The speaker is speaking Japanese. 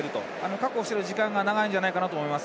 確保している時間が長いんじゃないかなと思います。